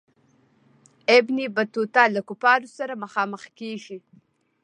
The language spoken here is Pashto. ابن بطوطه له کفارو سره مخامخ کیږي.